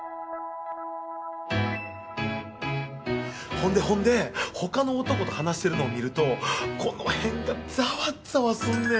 ほんでほんで他の男と話してるのを見るとこの辺がざわざわすんねん。